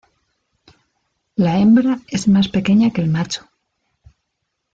La hembra es más pequeña que el macho.